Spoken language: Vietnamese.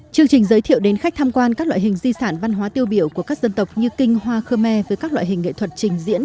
chương trình giới thiệu đến khách tham quan các loại hình di sản văn hóa tiêu biểu của các dân tộc như kinh hoa khơ me với các loại hình nghệ thuật trình diễn